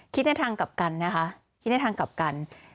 ในทางกลับกันนะคะคิดในทางกลับกัน